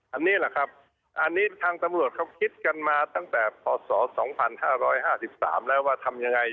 อันนี้แหละครับอันนี้ทางตำรวจเขาคิดกันมาตั้งแต่พศ๒๕๕๓แล้วว่าทำยังไง